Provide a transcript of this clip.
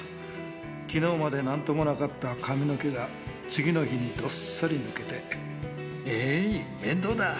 きのうまでなんともなかった髪の毛が次の日にどっさり抜けて、ええい面倒だ。